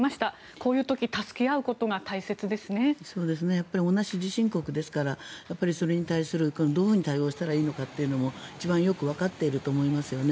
こういう時、助け合うことが同じ地震国ですからそれに対する、どういうふうに対応したらいいかというのも一番よくわかっていると思いますよね。